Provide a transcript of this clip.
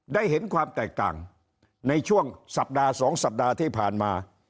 ได้เห็นความแตกต่างในช่วงสัปดาห์๒สัปดาห์ที่ผ่านมา